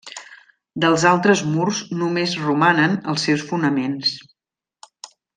Dels altres murs només romanen els seus fonaments.